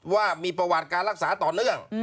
ว่ามีประวัติการรักษาต่อเนื่อง